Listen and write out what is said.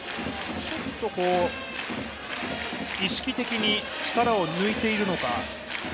ちょっと意識的に力を抜いているのか。